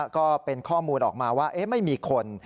ก็เป็นข้อมูลออกมาว่าไม่มีคน